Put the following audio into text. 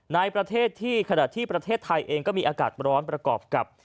ในประเทศที่ขณะที่ประเทศไทยเองก็มีอากาศร้อนประกอบกับ